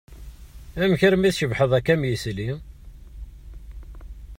Amek armi d-tcebbḥeḍ akka am yisli?